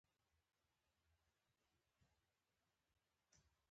دوی د ژغورنې یوازینۍ لار مبارزه بلله.